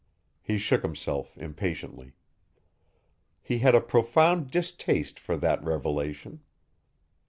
He shook himself impatiently. He had a profound distaste for that revelation.